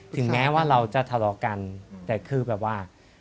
ถึงแม้ว่าเราจะทะเลาะกันแต่คือแบบว่า